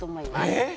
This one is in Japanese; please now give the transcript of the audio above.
えっ？